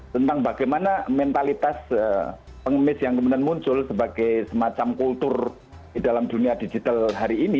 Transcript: tentang bagaimana mentalitas pengemis yang kemudian muncul sebagai semacam kultur di dalam dunia digital hari ini